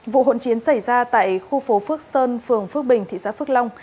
vụ hỗn chiến xảy ra tại khu phố phước sơn phường phước bình thị xã phước long